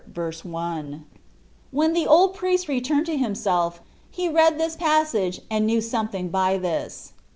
4 Ube matfvitp of When the old priest returned to himself he read this passage and knew something by this.